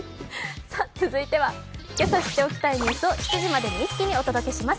続いては今朝知って起きたいニュースを７時までに一気にお届けします。